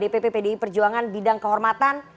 dpp pdi perjuangan bidang kehormatan